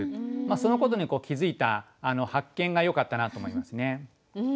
そのことに気付いた発見がよかったなと思いますね。